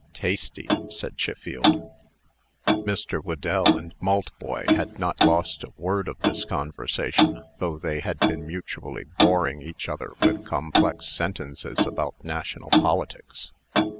"Tasty," said Chiffield. Mr. Whedell and Maltboy had not lost a word of this conversation, though they had been mutually boring each other with complex sentences about national politics.